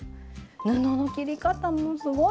布の切り方もすごい。